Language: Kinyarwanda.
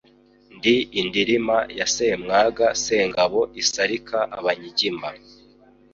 Ndi indirima ya Semwaga Sengabo isarika abanyigimba